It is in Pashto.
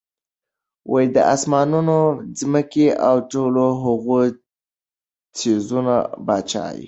ته د آسمانونو، ځمکي او د ټولو هغو څيزونو باچا ئي